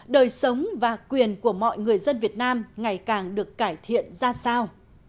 đời sống và quyền của mọi người dân việt nam ngày càng được cải thiện ra sao